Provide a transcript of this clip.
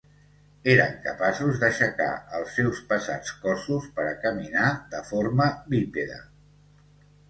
Eren capaços d'aixecar els seus pesats cossos per a caminar de forma bípeda.